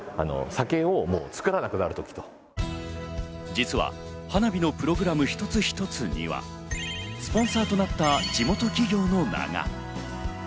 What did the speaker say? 実は花火のプログラム一つ一つにはスポンサーとなった地元企業の名が。